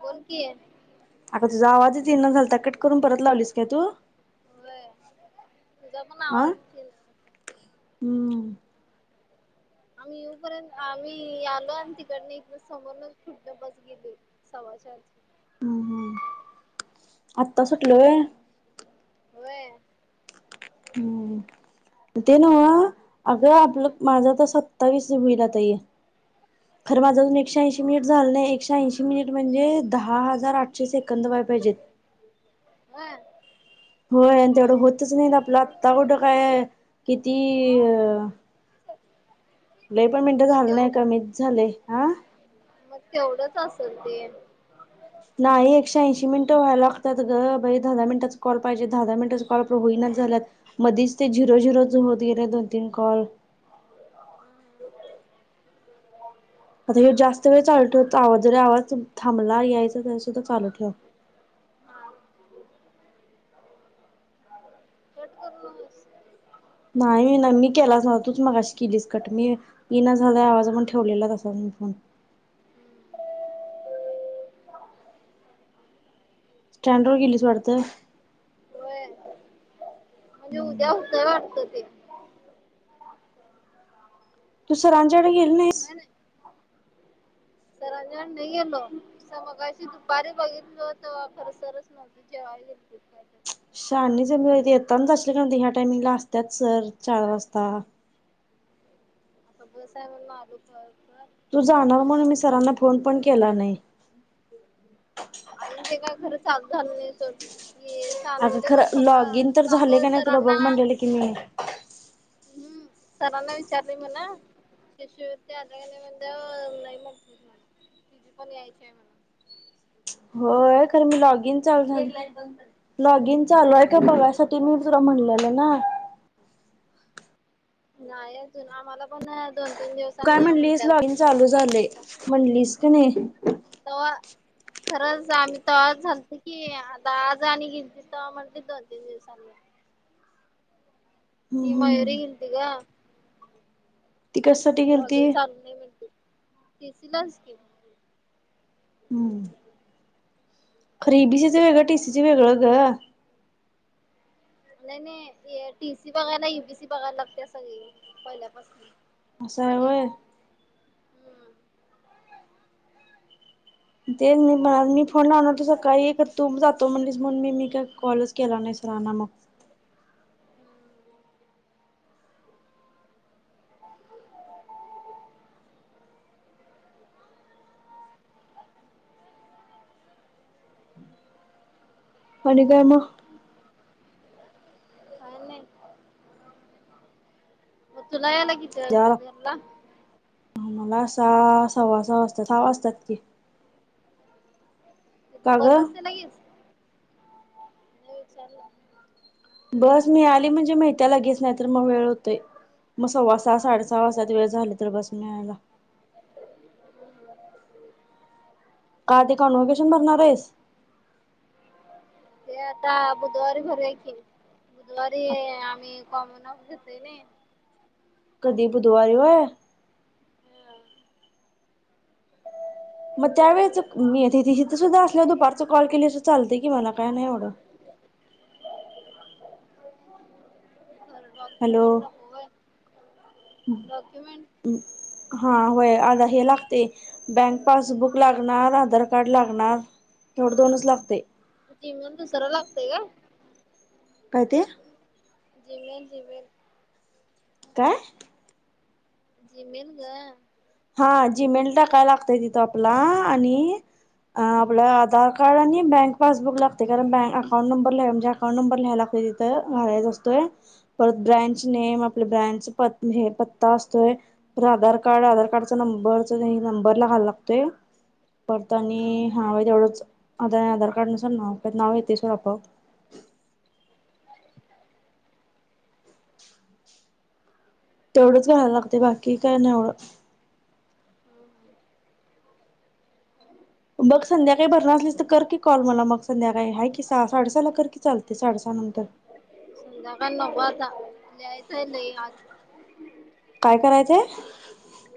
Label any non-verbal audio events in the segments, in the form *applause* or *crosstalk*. बोल की. अगं तुझा आवाजच येईना झालता. कट करून परत लावलीस काय तू? व्हय. तूझा पण आवाज च येईना. हं. आम्ही येऊपर्यंत, आम्ही आलो आन तिकडन इकडं समोरनच पुढणं बस गेली. सव्वा चार ची. हं हं. आत्ता सुटली व्हय? व्हय. हं. ते नव्ह अगं हा आपलं माझं तसं तावीस होईल आता हे. *inaudible* खरं माझं अजून एकशे ऐंशी मिनिट झालं नाही. एकशे ऐंशी मिनिट म्हणजे दहा हजार आठशे सेकंद व्हाय पाहिजेत. व्हय? होय. अन तेवढं होतच नाहीत. आपला आत्ता कुठं काय किती अ लई पण मग मिनटं तू झालं तेव नाह, कमीच झालंय. आं? मग तेवढंच असल ते. नाही एकशे ऐंशी मिनटं व्हायला लागतात ग. बाई दहा दहा मिनिटाचा कॉल पाहिजे. दहा दहा मिनिटाच कॉल आपलं होईनाच झाल्यात. मधीच ते झिरो झिरो च होत गेलेत दोन तीन कॉल. *inaudible* *inaudible* आता हे जास्त वेळ चालू ठेवतो. आवाज जरी आवाज थांबला यायचा तरी सुद्धा चालू ठेव. कट करु नगस. नाही ना. मी केलाच नव्हता. तूच मघाशी केलीस कट. मी येइना झालाय आवाज म्हणूण ठेवलेला तसाच मी फोन. स्टँड वर गेलीस वाटतं? व्हय. म्हणजे उद्या होतय वाटत ते. तू सरांच्याकड गेली नाहीस? होय सरांच्याकड नहीे गेलो. तसं मगाशी दुपारी बघितलं होत. खर सरच नव्हते. जेवायला गेलते. शहानीच ये. मी म्हणतं येताना जाशील कारण ते ह्या टाइमिंगला असत्यात सर चार वाजता. आता बस आहे म्हणून आलो पळत पळत. तू बसने जाणार, गेलो. म्हणून मी सरांना फोन पण केला नाही. अजून ते काय खरं चालू झाल नाही सोड. मी येस अगं खरं लॉगइन तर झालंय का नाही तुला सरांना बघ म्हणलेलं की मी. हम्म सरांना विचारली म्हण. शिशुविद्या आल्या काय नाही म्हटल्यावर नाही म्हटली. तिची पण यायची हाय म्हण. होय खरं मी लॉग इन चालू झा लॉग इन चालूय हाय का बघायसाठी मी तुला म्हणलेलं ना? नाही अजून आम्हाला पण नाही अजून. तू काय म्हणलीस? लॉगइन चालू झालय ला म्हणलीस क नाही? तवा खरंच आम्ही तवाच झालत की आता आज आणि गेलतीस तवा म्हटलीत दोन-तीन दिवसांनी. ही हम्म मयुरी हम्म गेलती ग. ती कशासाठी *inaudible* गेलती लॉगिन चालू नाही म्हटली. *inaudible* पि सी लाच हम्म. खर इ डी सी च वेगळ, टी सी च वेगळ गं. नाही नाही टी सी बघायला इ बी सी बघायला लागतिया सगळी पहिल्यापासून. अस हाय आल्या होय. काय हम्म तेच मी पण आज मी फोन लावणार होतो सकाळी खर तूच जातो म्हणलीस म्हणून मी मी काय कॉलच केला नाही सरांना मग. आणि काय मग? काय नाही. तुला यायला किती वाजतात घरला? ह मला सहा, सव्वा सहा वाजत्यात. सहा वाजतात की. तिथ का बस ग असते नाहीच. ते विचारलं? बस मीळाली म्हणजे मिळतिया लगेच नाही तर मग वेळ होतोय. मग सव्वा सहा, साडेसहा वाजात्यात वेळ झाली तर बस मिळायला. *inaudible* का ते कॉन्वीकेशन भरणार हाईस? ते अता बुधवारी भरूया की. बुधवारी आम्ही कॉमन वॉफ घेतोय नी. कधी बुधवारी होय. मग त्यावेळेच मी येथे हिथं सुद्धा असल्यावर दुपारचं कॉल केलीसं तर चालतं की मला काय नाही एवढं. हॅलो. डॉक्युमेंट नको व्हय *inaudible* डॉक्युमेंट हा होय आड हे लागते. बँक पासबुक लागणार. आधार कार्ड लागणार. तेवढ दोनच लागते. जी मेल दुसर लागतय गं. काय ते जी मेल-जी मेल. काय? जी मेल गं. हा जी मेल् टाकाय लागतय तिथं आपला आणि अ आपला आधार कार्ड आणि बँक पासबुक लागते कारण बँक अकाउंट नंबर लिहा म्हणजे अकाउंट नंबर लिहायला लागतोय तिथं. तिथं घालायचा असतोय. परत ब्रँच नेम, आपल्या ब्रँच प हे पत्ता असतोय. परत आधार कार्ड, आधार कार्ड नंबरचं हे नंबर ला घालाय लागतोय. परत आणि हां व्हय तेवढंच. आता आणि आधार कार्ड नुसार नाव परत नाव येतय सोड आपोआप. तेवढंच लिहायला लागते बाकी काय नाही होत. बग संध्याकाळी भरणार असलीस तर कर की कॉल मला मग संध्याकाळी हाय की सहा साडेसहाला कर की चालते साडेसहा नंतर. संध्याकाळी नको आता लिहायच हाय लई आज. काय करायचं हाय?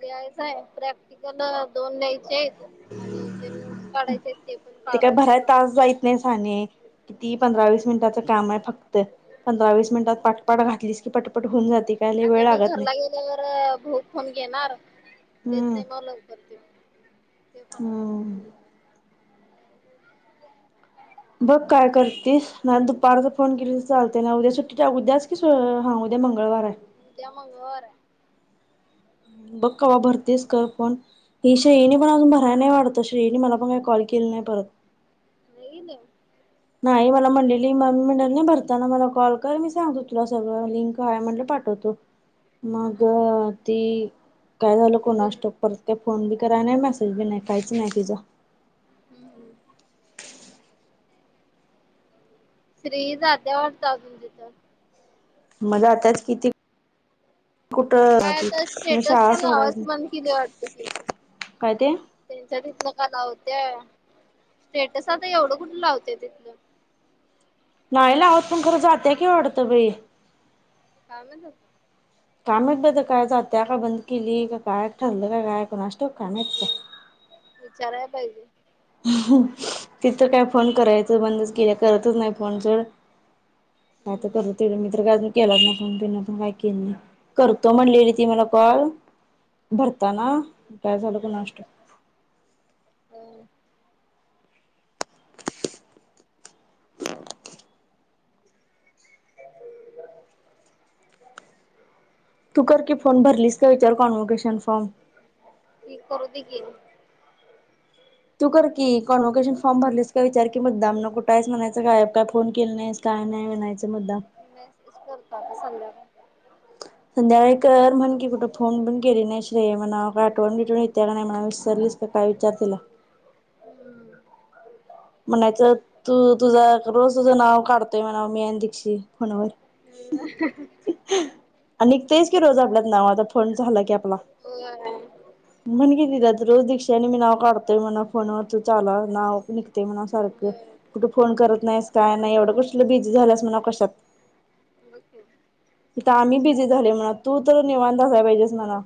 ते आहेच आहे प्रॅक्टिकल दोन लिहायचेयत आहेत. आणि जे नोटस काढायचे आहेत ते पण काढायचंय नव्ह का ने साने किती पंधरा वीस मिनिटांचं काम आहे फक्त पंधरा वीस मिनिटात पाटपाट घातलीस की पटपट होऊन जातं. आता मी घरला गेल्यावर भाऊ फोन घेणार. देत हम्म नाही मग लवकर त्यो ते पण हम्म ह बघ काय करतीस नाय दुपारचा फोन केली तर चालतेय नाय उद्या सुट्टी उद्यास की हां उद्या मंगळवार आहे. उद्या मंगळवार बघ कवा भरतीच कर फोन ण ही शयनी पण हा अजून भर काय नाही वाढत शेयणी मला पण काही कॉल केले नाही परत अ ईन.. नाही मला म्हलेली मी म्हंली नाही भरताना मला कॉल कर मी सांगतो तुला सगळं लिंक आहे म्हणलं पाठवते. मग हम्म ती काय झालं कोणा स्टॉक परत काय फोन बी कराय नाही मेसेज बी नाही काहीच नाही तिचां हम्म श्रियी जात्या वाटत अजून तिथं मग जात्याचं की आताच किती कुठं काय म आता मी स्टेटस शाळा पण लावायच सोडायचं बंद केली वाटते की. काय तेे? त्यांच्या तिथंन का लावत्या स्टेटस आता एवढं कुठ लावते तिथंन नाही लावत आहोत पण खरं जातय की वाटतं बाई कामचं काम माहित आहेत ब कायच जात्या का बंद केली का काय ठरलं का काय कोणास ठाऊक असतं काम आहेत. विचारायला पाहिजे. हो ति तर काय फोन करायचं बंदच केल्या करतच नाही फोन सोड काय तर करू हम्म दे तिकडं मी तर काय केलाच नाही पण त्यां पण काय केलं नाही. करतो म्हणलेली ती मला कॉल भरताना काय झालं कुणास्टाव हम्म तू कर की फोन भरलीस का विचार कॉनव्होकेशन फॉर्म ती करू दी की तू कर की कॉन्वोकेशन फॉर्म भरलीस का विचार की मुदामना कुठायस म्हणायचंय गायदबकाय काय फोन केलं नाहीस. काय नाही म्हणायचं मुद्दाम मी मसेज करतो आता सगळ्यांना संध्याकाळी करम्हण की कुठं फोन पण केले नाही. शे मला आठवण बिठवून येत्या का नाही मणा विसरलीस का काय विचार तीला हम् म्हणायचं तू तुझा रोज तुझं नाव काढतोय म्हणाव मी आणि दीक्षित फोनवर आणि निकतेच की रोज आपल्यात नावाचा फोन झाला की आपला होय म्हण की तिला तर रोज दीक्शी न मी नाव काढतोय म्हणा फोनवर तू चाला नाव निघत ते म्हणाव सारखं होय कुठे फोन करत नाहीस काय नाही एवढं कुठं बिझी झालंस म्हणा कशात *inaudible* वकू.. हितं आम्ही बिझी झालोय म्हणाव तू तर निवांत असाय पाहिजेस म्हणाव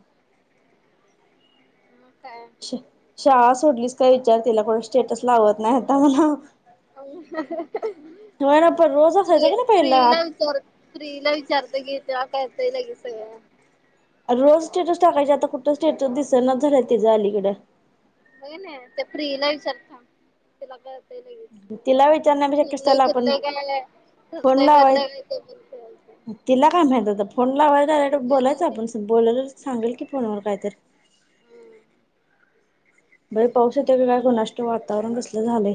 मग काय? छे शाळा सोडलीस काय इचार तिला कोण स्टेटस लावत नाही आता म्हणाव. ना पण रोज असायचं प्रिय का नाही पहिला प्रिइला विचारत. प्रिइला विचारते की तिला कळतय लगेच सगळं. अ रोज स्टेटस टाकायची आता कुठं स्टेटस दिसना झालंय तिच अलीकड. होय ने त्या प्रिइला विचारते थांब तिला कळतय लगेच. तिला विचारण्यापेक्षा ठरलय कशाला आपण करलय काय आलंय, ठरलय करलय. *unintelligible* ह तिला काय माहित होत फोन लावाय डायरेक्ट नाही नाही बोलायचं आपण स बोलेल सांगेल की फोनवर काय तर. नाही बये पाऊस येतोय की काय कोणास ट वातावरण कसल झालंय.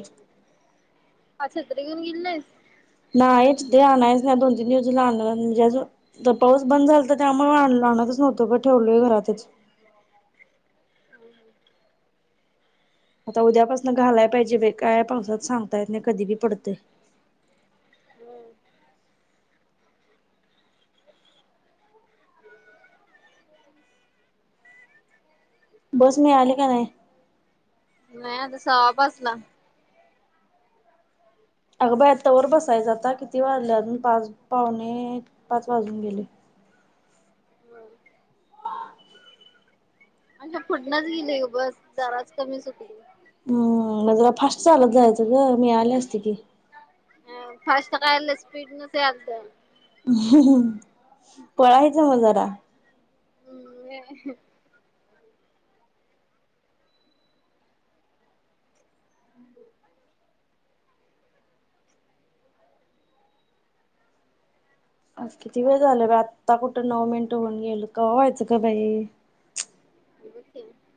आज छत्री घेऊन गेली नाहीस? ना एच ते आणायचं नाही दोन तीन दिवस झालं आणलं म्हणजे अज द पाऊस बंद झालता त्यामुळं आणल आणतच नव्हतो ग ठेवलोय घरातच. हळू हळू. आता उद्यापासून घालाय पाहिजे बाई, काय पावसात सांगता येत नाही कधी बी पडतय. हम्म. बस मिळाली का नाही? नाही अग सहा पाचला. अगबया तोवर बसायचं आता किती वाजले अजून पाच पावणे पाच वाजून गेले. वर. पण पुढनच लिहिले उगच जराच कमी सुटली. हम्म मग जरा फास्ट चालत जायचं ग मी आले असते की. अं फास्ट काय आलेस स्पीड नसे आलत. पळायच ना जरा. हम्म ने. आज किती वेळ झालं ग आत्ता कुठं नऊ मिनिटं होऊन गेली, कव्हा व्हायचं का बाई? *unintelligible*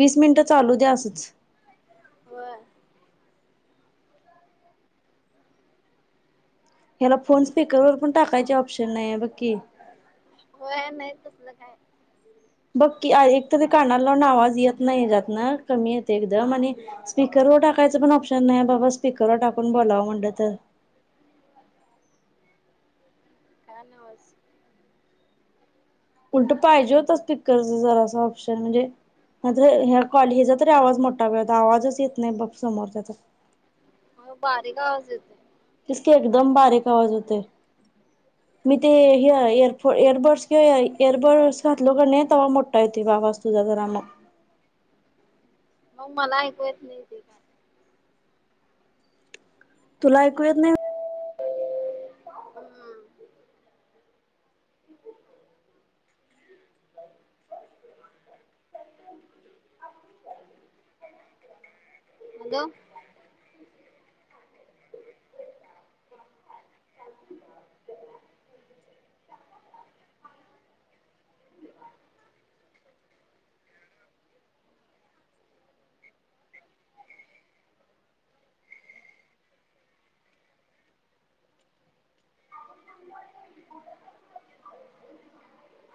वीस मिनिटं चालू द्या असंच. व्हय. ह्याला फोन स्पिकर वर पण टाकायचे ऑप्शन नाहीये बघ की. होय नाही तसलं काय? बघ की आ एक तरी कानाल लावून आवाज येत नाही हेच्यातन, कमी येते एकदम आणि स्पीकरवर टाकायचं पण ऑप्शन नाहीये बाबा, स्पीकरवर टाकून बोलावं म्हणलं तर *inaudible* काय नवस. उलट पाहिजे होत स्पीकरच जरास ऑप्शन म्हणजे हा ज ह्या कॉल ह्याचा तरी आवाज मोठा ग तर आवाजच येत नाही बघ समोरच्याचा. हो बारीक आवाज येतोय. जसकी एकदम बारीक आवाज येतोय. *inaudible* मी ते हे एरफ एअरबड्स के ऐ एअरबड्स घातलो का नाही तव्हां मोठा येतोय ग आवाज. तुला ग रामा. अहो मला एकू येत नाही ते काय. तुला ऐकू येत नाही. हम्म. हॅलो. *inaudible* *unintelligible*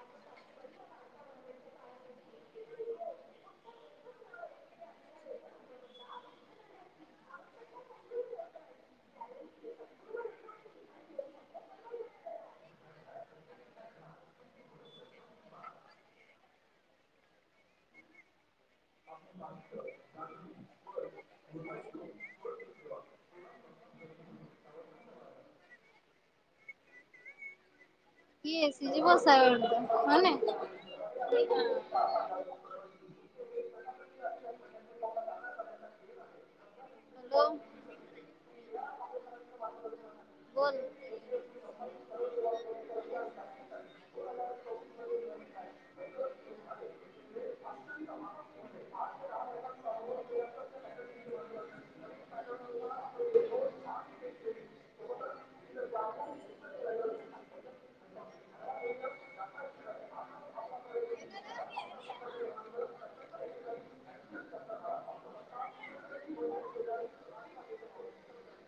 *inaudible* *unintelligible* यस इझी वस आहे वांट हो ने. *inaudible* हॅलो. *unintelligible* बोल *unintelligible* *unintelligible* अत्यंत *unintelligible* *unintelligible* *inaudible* *inaudible* *inaudible*